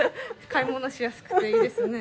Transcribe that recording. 買い物しやすくていいですね。